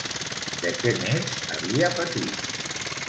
De què més havia patit?